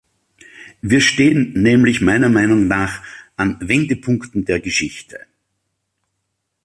Wir stehen nämlich meiner Meinung nach an Wendepunkten der Geschichte.